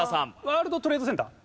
ワールド・トレード・センター。